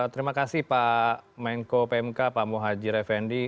terima kasih pak menko pmk pak muhajir effendi